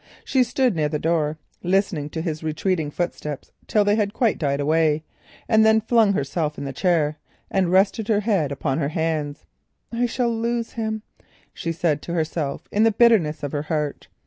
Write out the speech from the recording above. She stood near the door, listening to his retreating footsteps till they had quite died away, and then flung herself in the chair and rested her head upon her hands. "I shall lose him," she said to herself in the bitterness of her heart.